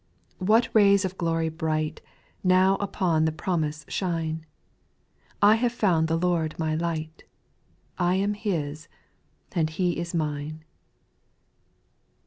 what rays of glory bright, ItX Now upon the promise shine I I have found the Lord my light ; I am His, and He is mine.